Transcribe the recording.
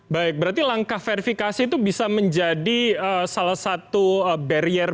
baik berarti langkah verifikasi itu bisa menjadi salah satu barrier